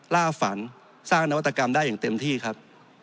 ล่าฝันสร้างนวัตกรรมได้อย่างเต็มที่ครับ